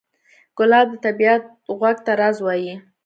ګلاب د طبیعت غوږ ته راز وایي.